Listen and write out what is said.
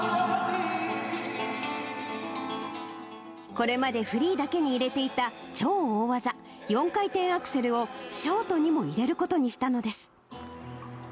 これまでフリーだけに入れていた超大技、４回転アクセルを、ショートにも入れることにしたのです。